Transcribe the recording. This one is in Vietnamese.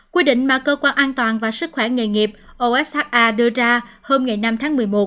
quy định mà cơ quan an toàn và sức khỏe nghề nghiệp osa đưa ra hôm ngày năm tháng một mươi một